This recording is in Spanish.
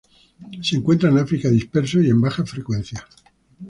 Se encuentra en África disperso y en bajas frecuencias.